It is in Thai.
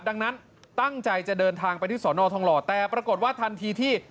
ดังนั้นตั้งใจจะเดินทางไปที่สอนอทองหล่อแต่ปรากฏว่าทันทีที่